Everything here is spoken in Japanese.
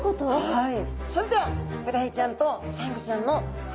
はい。